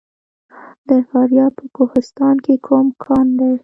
د فاریاب په کوهستان کې کوم کان دی؟